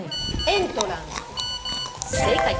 「エントランス」正解。